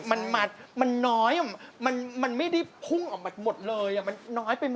มันคิดว่ามันน้อยอ่ะมันไม่ได้พุ่งออกมาหมดเลย